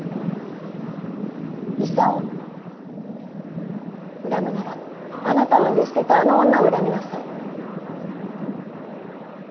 功恨むならあなたを産んで捨てたあの女を恨みなさい。